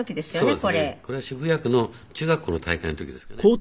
これは渋谷区の中学校の大会の時ですかね。